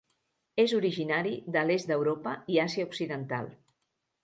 És originari de l'est d'Europa i Àsia occidental.